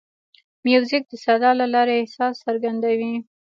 موزیک د صدا له لارې احساس څرګندوي.